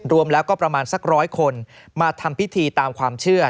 รวมแล้วก็ประมาณสักร้อยคนมาทำพิธีตามความเชื่อ